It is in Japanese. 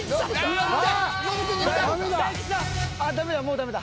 ダメだもうダメだ。